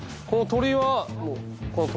この鳥居は？